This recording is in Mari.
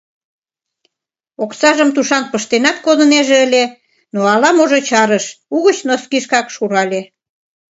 Оксажым тушан пыштенат кодынеже ыле, но ала-можо чарыш: угыч носкишкак шурале.